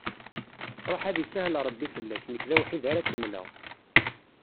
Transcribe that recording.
Ruḥ ad isahel Ṛebbi fell-ak, nekk d awḥid ara kemmleγ.